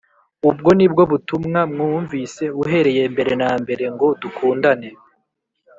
Ubwo ni bwo butumwa mwumvise uhereye mbere na mbere, ngo dukundane